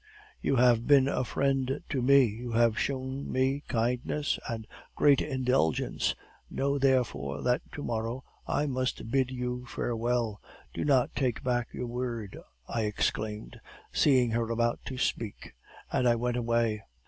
You have been a friend to me, you have shown me kindness and great indulgence; know, therefore, that to morrow I must bid you farewell. Do not take back your word,' I exclaimed, seeing her about to speak, and I went away.